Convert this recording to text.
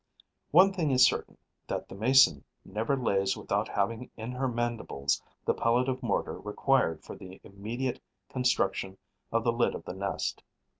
One thing is certain, that the Mason never lays without having in her mandibles the pellet of mortar required for the immediate construction of the lid of the nest.